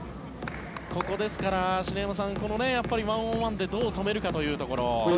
ここ、ですから篠山さん１ｏｎ１でどう止めるかというところ。